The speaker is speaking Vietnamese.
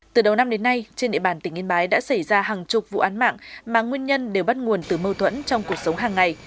từ đầu năm đến nay trên địa bàn tỉnh yên bái đã xảy ra hàng chục vụ án mạng mà nguyên nhân đều bắt nguồn từ mâu thuẫn trong cuộc sống hàng ngày